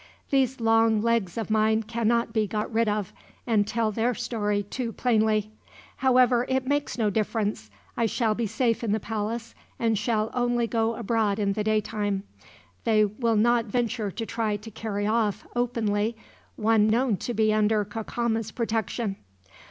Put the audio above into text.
These long legs of mine cannot be got rid of, and tell their story too plainly. However, it makes no difference. I shall be safe in the palace, and shall only go abroad in the daytime. They will not venture to try to carry off, openly, one known to be under Cacama's protection."